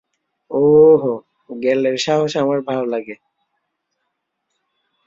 ওওওহ, গ্যালের সাহস আমার ভালো লাগে!